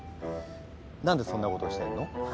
何でそんなことしてんの？